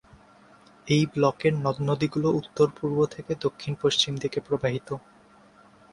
এই ব্লকের নদ-নদীগুলি উত্তর-পূর্ব থেকে দক্ষিণ-পশ্চিম দিকে প্রবাহিত।